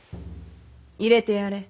入れてやれ。